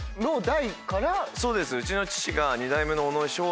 そうですうちの父が。